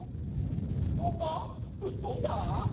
「ふとんがふっとんだ」？